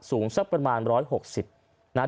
สูงสักประมาณ๑๖๐บาท